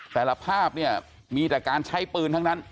แต่ละภาพเนี่ยมีแต่การใช้ปืนทั้งนั้น